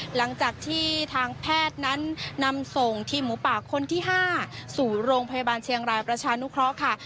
หลังจากที่ทางแพทย์นั้นนำส่งทีมหมูป่าคนที่๕สู่โรงพยาบาลเชียงรายประชานุเคราะห์ค่ะ